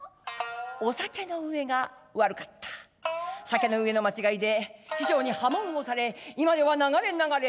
酒の上のまちがいで師匠に破門をされ今では流れ流れ